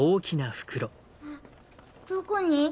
あどこに？